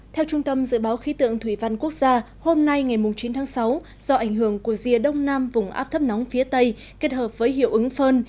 theo trung tâm dự báo khí tượng thủy văn quốc gia hôm nay ngày chín tháng sáu do ảnh hưởng của rìa đông nam vùng áp thấp nóng phía tây kết hợp với hiệu ứng phơn